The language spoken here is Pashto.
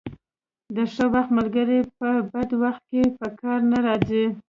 د ښه وخت ملګري په بد وخت کې په کار نه راځي.